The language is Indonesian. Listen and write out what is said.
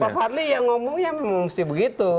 pak fadli yang ngomongnya memang mesti begitu